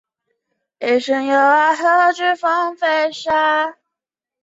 叉唇对叶兰为兰科对叶兰属下的一个种。